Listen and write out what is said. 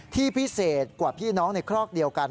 ที่พิเศษกว่าพี่น้องในครอกเดียวกัน